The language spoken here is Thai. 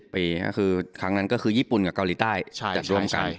ปีก็คือครั้งนั้นก็คือญี่ปุ่นกับเกาหลีใต้จะร่วมกัน